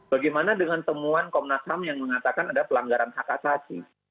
bagaimana dengan temuan komnas ham yang mengatakan ada pelanggaran hak asasi